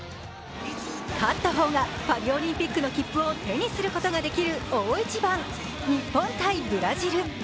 勝った方がパリオリンピックの切符を手にすることができる大一番日本×ブラジル。